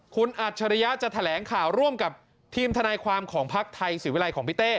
คุณอัจฉริยะจะแถลงข่าวร่วมกับทีมทนายความของพักไทยศิวิลัยของพี่เต้